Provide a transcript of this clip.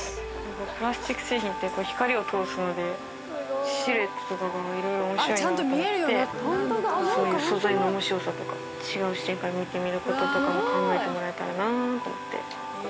プラスチック製品って光を通すのでシルエットとかがいろいろ面白いなと思ってそういう素材の面白さとか。とかも考えてもらえたらなと思って。